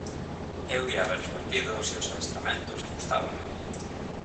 Eu ía ver os partidos e os adestramentos e gustábame.